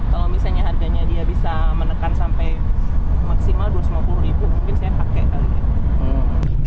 kalau misalnya harganya dia bisa menekan sampai maksimal rp dua ratus lima puluh mungkin saya pakai kali ya